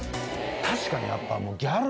確かにやっぱ。